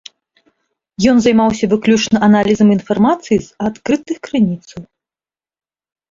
Ён займаўся выключна аналізам інфармацыі з адкрытых крыніцаў.